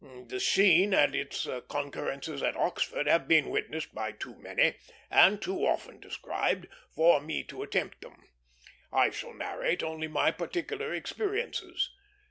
The scene and its concurrences at Oxford have been witnessed by too many, and too often described, for me to attempt them. I shall narrate only my particular experiences.